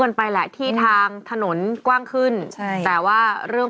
ตราบใดที่ตนยังเป็นนายกอยู่